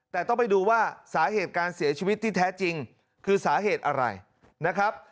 แต่ต้องไปดูว่าสาเหตุการเสียชีวิตที่แท้จริงคือสาเหตุอะไรนะครับ